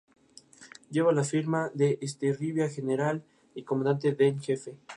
Lleva la firma de Estigarribia, general y comandante den jefe.